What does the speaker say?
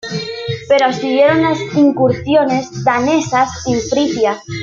Pero siguieron las incursiones danesas en Frisia.